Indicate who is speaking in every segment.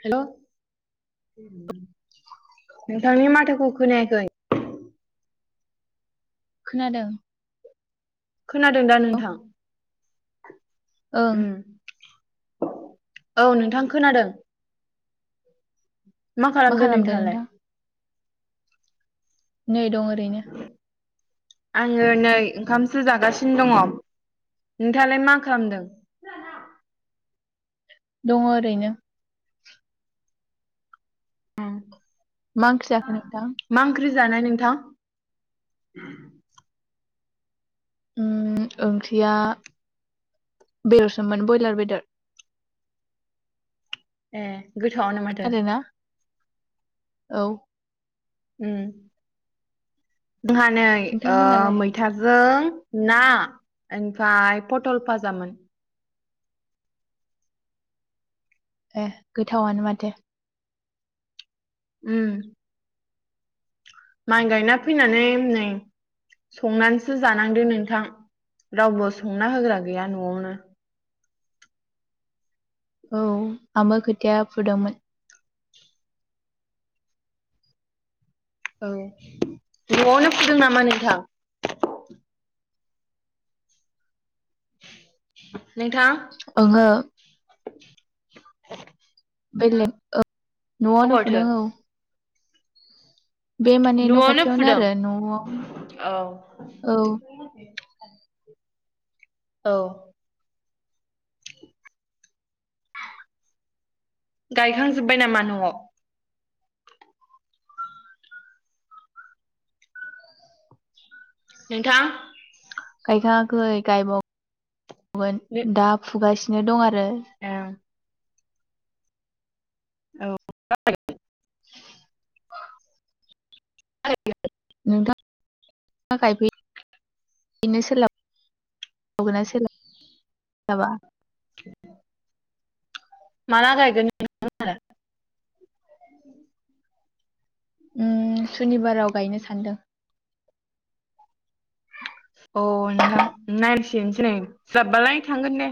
Speaker 1: हेल' नोंथांनि माथाखौ खोनायाखै।
Speaker 2: खोनादों।
Speaker 1: खोनादों दा
Speaker 2: औ
Speaker 1: नोंथां?
Speaker 2: ओं।
Speaker 1: उम औ नोंथां खोनादों। मा खालामदो
Speaker 2: खालामदों
Speaker 1: नोंथाङालाय?
Speaker 2: नोंथां नै दं ओरैनो।
Speaker 1: आङो नै ओंखामसो जागासिनो दङ। नोंथालाय मा खालामदों? [unintelligible]
Speaker 2: दङ ओरैनो मा ओंख्रि जाखो नोंथां?
Speaker 1: मा ओंख्रि जानाय नोंथां
Speaker 2: ओ ओंख्रिया बेदरसोमोन ब्रयलार बेदर।
Speaker 1: ए गोथावानो माथो।
Speaker 2: खोनादोंना औ।
Speaker 1: उम जोंहा नै
Speaker 2: नोंथांमोनालाय
Speaker 1: मैथाजों। ना ओमफ्राय पटल फाजामोन।
Speaker 2: ए गोथावनो माथो।
Speaker 1: उम। माइ गायना फैनानै नै। संनानैसो जानांदो नोंथां रावबो संना होग्रा गैया न'आवनो।
Speaker 2: औ आंबो खोथिया फुदोंमोन।
Speaker 1: औ नआवनो फुदों नामा नोंथां? नोंथां।
Speaker 2: ओंहो।
Speaker 1: [unintelligible]
Speaker 2: बेलेग औ न'आवनो
Speaker 1: अबावथो
Speaker 2: फुदों औ। बे माने न'
Speaker 1: न'आवनो
Speaker 2: खाथियावनो
Speaker 1: फुदों
Speaker 2: आरो न'आव
Speaker 1: औ।
Speaker 2: औ
Speaker 1: औ। गायखांजोबबाय नामा न'आव? नोंथां
Speaker 2: गायखाङाखै गायबावगोन दा फुगासिनो दं आरो। फ्राय
Speaker 1: औ [unintelligible] [unintelligible]
Speaker 2: नोंथां [unintelligible] गायफै [unintelligible] बेनो [unintelligible] सोलाब सोलाबगोना सोलाबा।
Speaker 1: [unintelligible] माला गायगोन [unintelligible]
Speaker 2: उम सुनिबाराव गायनो सानदों
Speaker 1: अ नोंथां नायनांसिगोनसो नै जाबबालाय थांगोन दे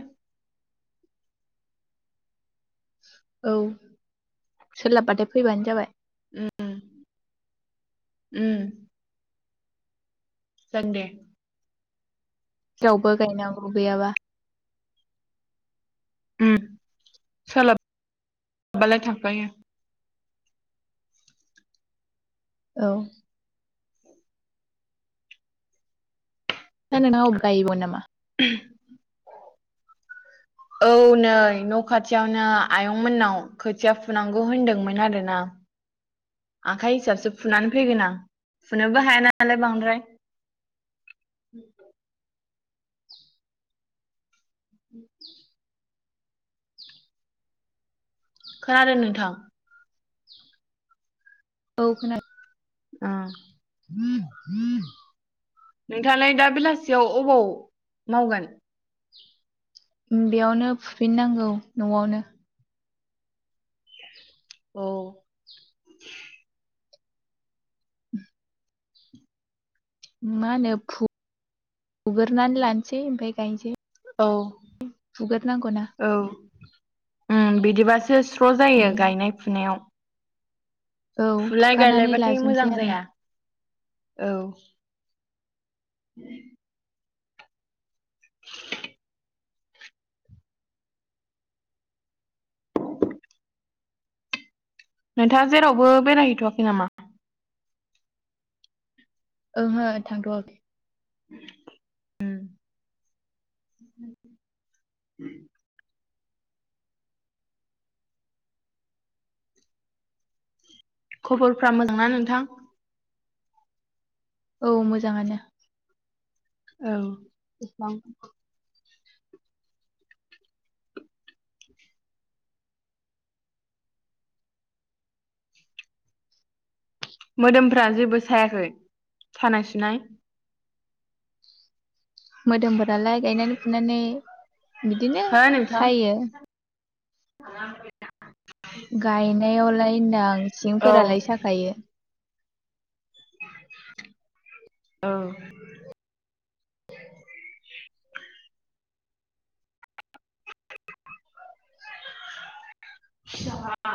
Speaker 2: औ सोलाबबाथाय फैबानो जाबाय
Speaker 1: उम उम जागोन दे
Speaker 2: रावबो गायनांगौ गैयाबा
Speaker 1: सोलाब सोलाबालाय थांफायो
Speaker 2: औ ना न ना अबगायब नामा [unintelligible]
Speaker 1: [inaudible] औ नै न' खाथियावनो आयं मोननाव खोथिया फुनांगौ होनदोंमोन आरोना [inaudible] आखाइ हिसाबसो फुनानै फैगोन आं फुनोबो हायाान नालाय बांद्राय [inaudible] उ खोनादों नोंथां
Speaker 2: औ खोनादों
Speaker 1: [inaudible]
Speaker 2: ह ह [inaudible]
Speaker 1: नोंथाङालाय दा बेलासियाव अबाव मावगोन
Speaker 2: बेयावनो फुफिननांगौ न'आवनो
Speaker 1: औ
Speaker 2: [inaudible] मा होनो फुगोरोनानै लानोसै ओमफ्राय गायनोसै
Speaker 1: औ
Speaker 2: फैगोरो नांगौना
Speaker 1: औ उम बिदिबासो स्र' जायो गायनाय फुनायाव
Speaker 2: औ
Speaker 1: फुलाय
Speaker 2: फुखानानै
Speaker 1: गायलायबाथाय मोजां
Speaker 2: लाजोबसै आरो
Speaker 1: जाया औ उ नोंथाङा जेरावबो बेरायहैथ'वाखै नामा
Speaker 2: ओंहो थांथ'वाखै
Speaker 1: उम खबरफ्रा मोजांनाा नोंथां
Speaker 2: औ मोजाङानो
Speaker 1: औ
Speaker 2: स
Speaker 1: मोदोमफ्रा जेबो सायाखै सानाय सुनाय
Speaker 2: मोदोमफोरालाय गायनानै फुनानै बिदिनो सायो
Speaker 1: ज [unintelligible]
Speaker 2: गायनायावलाय होनदां
Speaker 1: औ
Speaker 2: सिनसिरिफोरालाय साखायो
Speaker 1: औ [inaudible] आटसा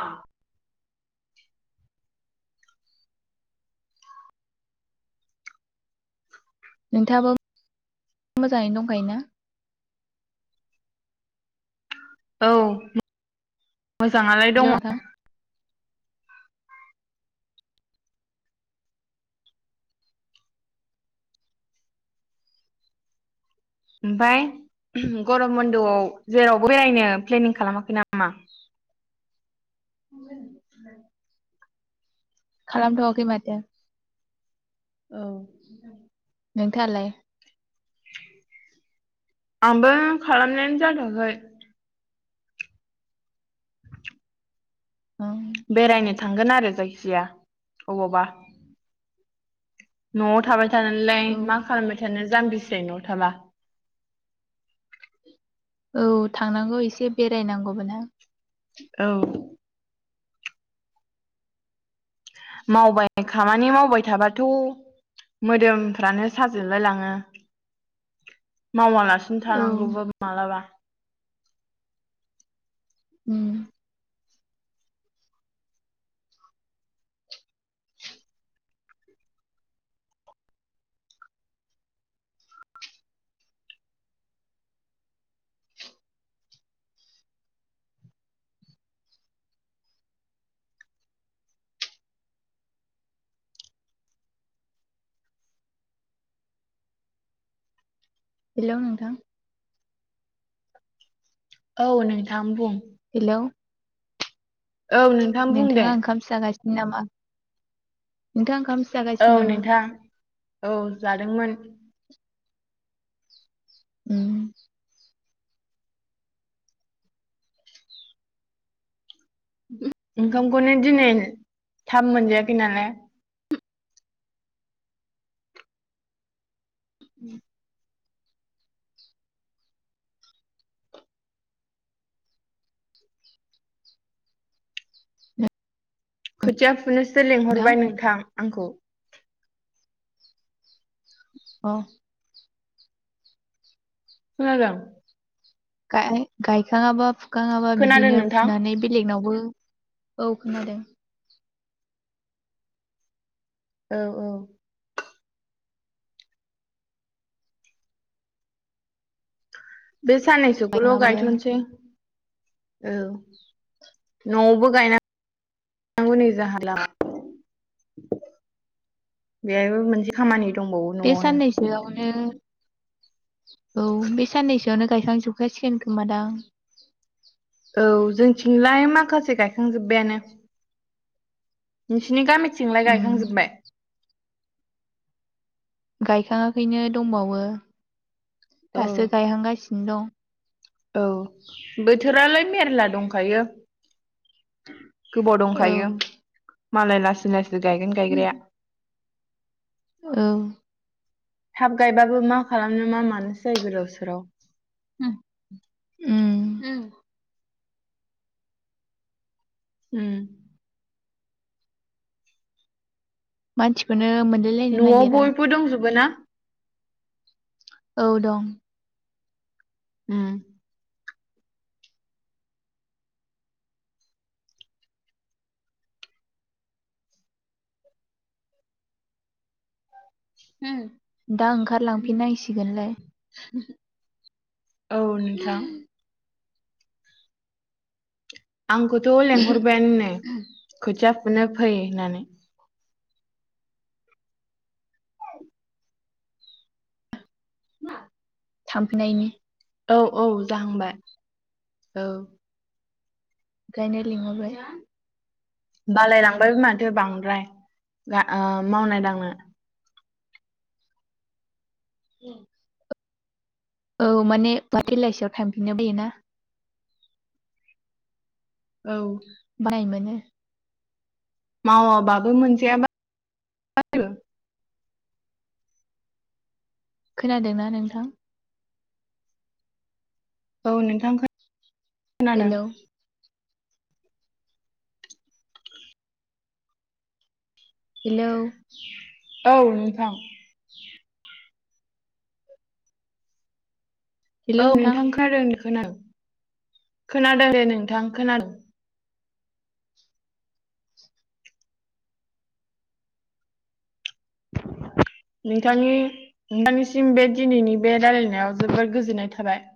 Speaker 2: नोंथाङाबो मोजाङैनो दंखायोना
Speaker 1: औ मोजाङालाय
Speaker 2: हेल'
Speaker 1: दङ
Speaker 2: नोंथां
Speaker 1: ओमफ्राय गरम बन्द'आव जेरावबो बेरायनो प्लेनिं खालामाखै नामा [inaudible]
Speaker 2: खालामारामथ वाखै माथो
Speaker 1: औ
Speaker 2: नोंथाङालाय
Speaker 1: आंबो खालामनायानो जाथाखै [inaudible]
Speaker 2: ओं
Speaker 1: बेरायनो थांगोन आरो जायखिजाया अबावबा न'आव थाबाय थानानैलाय
Speaker 2: औ
Speaker 1: मा खालामबाय थानो जाम्बिसो न'आव थाबा
Speaker 2: औ थांनांगौ एसे बेरायनांगौमोनहां
Speaker 1: औ मावबाय खामानि मावबाय थाबाथ' मोदोमफ्रानो साजोबलाय लाङो मावाला बांसिन
Speaker 2: औ
Speaker 1: थानांगौबा मालाबा
Speaker 2: उम हेलौ नोंथां
Speaker 1: औ नोंथां बुं
Speaker 2: हेलौ
Speaker 1: औ नोंथां बुं दे
Speaker 2: नोंथाङा ओंखाम जागासिनो नामा नोंथाङा ओंखाम
Speaker 1: औ
Speaker 2: जागासिनो नामा
Speaker 1: नोंथां औ जादोंमोन
Speaker 2: उम
Speaker 1: ओंखामखौनो दिनै थाब मोनजायाखै नालाय
Speaker 2: उम
Speaker 1: खोथिया फुनोसो लिंहरबाय नोंथां आंखौ
Speaker 2: अ
Speaker 1: खोनादों
Speaker 2: गायखाङाबा फुखाङाबा
Speaker 1: खोनादों
Speaker 2: बिदिनो
Speaker 1: नोंथां
Speaker 2: फुनानै बेलेगनावबो औ खोनादों
Speaker 1: औ औ बे साननैसोखौल'
Speaker 2: गायखाङाबाबो
Speaker 1: गायथ'नोसै औ न'यावबो गायना गौ नै जाहाला बेहायबो मोनसे खामानि दंबावो
Speaker 2: बे
Speaker 1: न'आवनो
Speaker 2: साननैसोयावनो औ बे साननैसोआवनो गायखांजोबखासिगोन खोमा दां
Speaker 1: औ जोंथिंलाय माखासे गायखांजोबबायानो नोंसिनि गामिथिंलाय
Speaker 2: उम
Speaker 1: गायखांजोबबाय
Speaker 2: गायखाङाखैनो दंबावो
Speaker 1: औ
Speaker 2: दासो गायहांगासिनो दं
Speaker 1: औ बोथोरालाय मेरला दंखायो गोबाव
Speaker 2: दं
Speaker 1: दंखायो मालाय लासै लासै गायगोन गायग्राया
Speaker 2: औ
Speaker 1: थाब गायबाबो मा खालामनो मा मानोसो जायो गोदाव सोराव
Speaker 2: ओम ओम ओम
Speaker 1: उम
Speaker 2: मानसिखौनो मोनलाय लायनो
Speaker 1: न'आव
Speaker 2: नागिरा
Speaker 1: बयबो दंजोबो ना
Speaker 2: औ दं
Speaker 1: उम
Speaker 2: दा ओंखारलांफिननांसिगोनलाय
Speaker 1: औ नोंथां आंखौथ' लेंहरबायानो खोथिया फुनो फै होननानै
Speaker 2: थांफैनायनि
Speaker 1: औ औ जाहांबाय औ
Speaker 2: गायनो लिंहरबाय
Speaker 1: बालायलांबायबो माथो बांद्राय मावनाय दांनो
Speaker 2: उम औ माने बा बेलासियाव थांफिननो बैयोना
Speaker 1: औ
Speaker 2: [inaudible]
Speaker 1: मावाबाबो मोनजायाबा जबो [unintelligible]
Speaker 2: खोनादोंना नोंथां?
Speaker 1: औ नोंथांखौ
Speaker 2: हेलौ हेलौ
Speaker 1: औ नोंथां औ नोंथां खोनादों खोनादों खोनादों दे नोंथां खोनादों नोंथांनि नोंथांनिसिम बे दिनैनि बे रायलायनायाव जोबोर गोजोननाय थाबाय